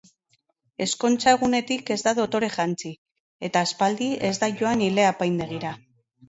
Ezkontza egunetik ez da dotore jantzi, eta aspaldi ez da joan ile-apaindegira.